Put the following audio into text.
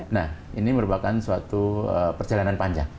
nah ini merupakan suatu perjalanan panjang